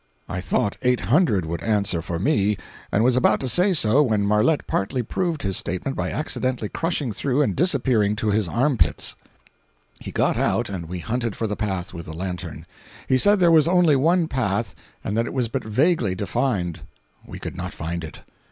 I thought eight hundred would answer for me, and was about to say so when Marlette partly proved his statement by accidentally crushing through and disappearing to his arm pits. 539.jpg (43K) He got out and we hunted for the path with the lantern. He said there was only one path and that it was but vaguely defined. We could not find it.